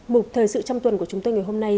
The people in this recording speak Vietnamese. mục thời sự trong tuần của chúng tôi ngày hôm nay